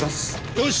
よし！